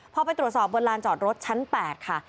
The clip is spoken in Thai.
พอไปตรวจสอบบนลานจอดรถชั้น๘ค่ะ